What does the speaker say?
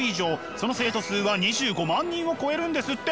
その生徒数は２５万人を超えるんですって。